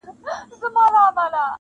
بخت هم کوټه دی، هم يې مخه اړولې رانه